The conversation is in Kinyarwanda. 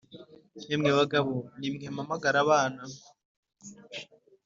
Yemwe bagabo ni mwe mpamagara abana